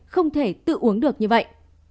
không thể tự uống được như vậy